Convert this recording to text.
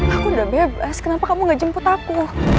aku udah bebas kenapa kamu gak jemput aku